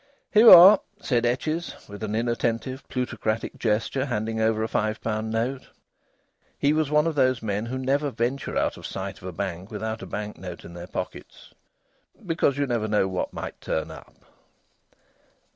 "Here you are!" said Etches, with an inattentive, plutocratic gesture handing over a five pound note. He was one of those men who never venture out of sight of a bank without a banknote in their pockets "Because you never know what may turn up."